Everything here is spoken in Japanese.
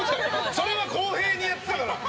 それは公平にやってたから。